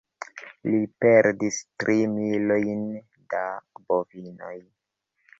Li perdis tri milojn da bovinoj.